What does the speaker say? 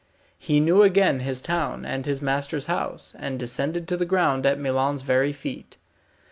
He knew again his town, and his master's house, and descended to the ground at Milon's very feet.